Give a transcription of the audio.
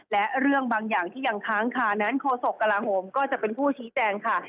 และเรื่องบางอย่างที่อย่างคล้างค่ะนั้นโกศลกละลาโหมก็จะเป็นผู้ชี้แจงค่ะ